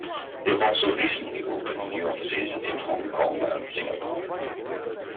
They have also recently opened new offices in Hong Kong and Singapore.